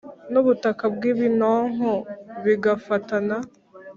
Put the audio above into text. n’ubutaka bw’ibinonko bigafatana’